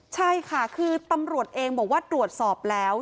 ใช่ค่ะคือตำรวจเองบอกว่าตรวจสอบแล้ว